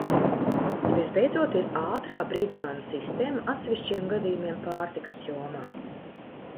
Visbeidzot, ir ātrā brīdinājumu sistēma atsevišķiem gadījumiem pārtikas jomā.